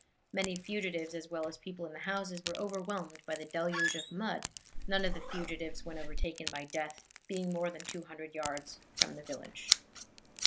Many fugitives, as well as people in the houses, were overwhelmed by the deluge of mud, none of the fugitives, when overtaken by death, being more than two hundred yards from the village."